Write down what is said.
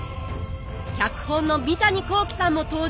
脚本の三谷幸喜さんも登場！